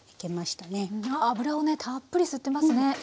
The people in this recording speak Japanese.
たっぷり吸ってますね。